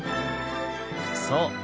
そう。